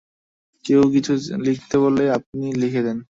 কেউ কিছু লিখতে বললেই আপনি লিখে দেন?